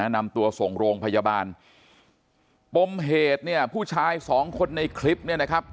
นำตัวส่งโรงพยาบาลปมเหตุเนี่ยผู้ชายสองคนในคลิปเนี่ยนะครับ